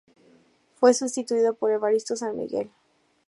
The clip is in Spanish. Fue sustituido por Evaristo San Miguel.